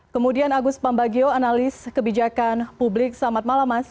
kemudian agus pambagio analis kebijakan publik selamat malam mas